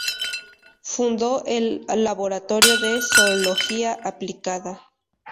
Fundó el laboratorio de Zoología aplicada.